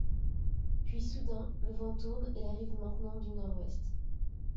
Puis soudain, le vent tourne et arrive maintenant du nord-ouest.